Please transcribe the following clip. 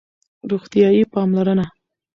روغتیایی پاملرنه